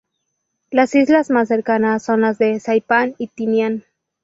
Las islas más cercanas son las de Saipán y Tinian.